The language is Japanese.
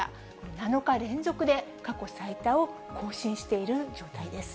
７日連続で過去最多を更新している状態です。